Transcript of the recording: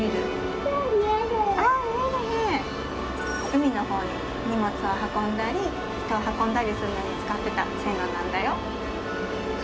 海のほうに荷物を運んだり人を運んだりするのに使っていた線路なんだよ。